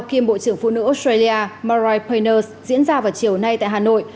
kiêm bộ trưởng phụ nữ australia mariah payne diễn ra vào chiều nay tại hà nội